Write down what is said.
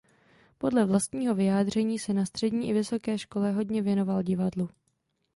Podle vlastního vyjádření se na střední i vysoké škole hodně věnoval divadlu.